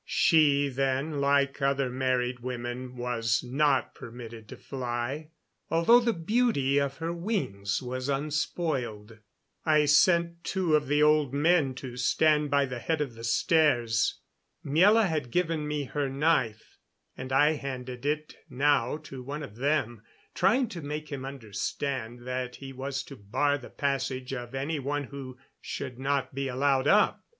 She, then, like other married women, was not permitted to fly, although the beauty of her wings was unspoiled. I sent two of the old men to stand by the head of the stairs. Miela had given me her knife, and I handed it now to one of them, trying to make him understand that he was to bar the passage of any one who should not be allowed up.